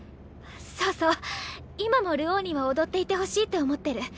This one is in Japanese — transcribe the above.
そうそう今も流鶯には踊っていてほしいって思ってる。